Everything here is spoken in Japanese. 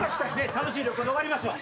楽しい旅行で終わりましょう。